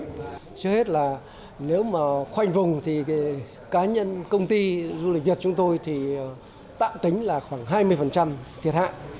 trước hết là nếu mà khoanh vùng thì cá nhân công ty du lịch việt chúng tôi thì tạm tính là khoảng hai mươi thiệt hại